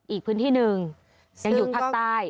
อีกพื้นที่หนึ่งยังอยู่ภาคใต้